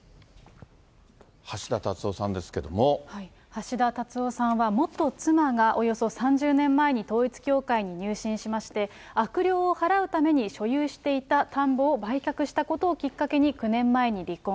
橋田達夫さんは、元妻がおよそ３０年前に統一教会に入信しまして、悪霊をはらうために所有していた田んぼを売却したことをきっかけに９年前に離婚。